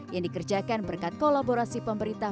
yang dikerjakan berkat kolaborasi pemerintah